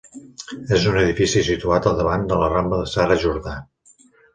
És un edifici situat a davant de la Rambla Sara Jordà.